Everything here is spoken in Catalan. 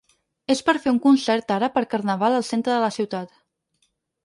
Es per fer un concert ara per carnaval al centre de la ciutat.